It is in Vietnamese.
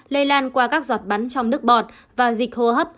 lây lan qua các giọt bắn trong nước bọt và dịch hô hấp